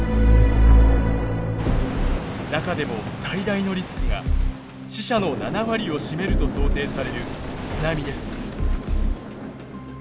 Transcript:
中でも最大のリスクが死者の７割を占めると想定される津波です。